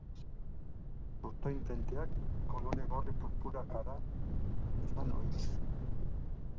Zurtoin tenteak kolore gorri-purpurakara izan ohi du.